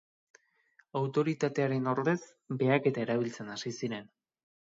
Autoritatearen ordez, behaketa erabiltzen hasi ziren.